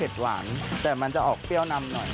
หวานแต่มันจะออกเปรี้ยวนำหน่อย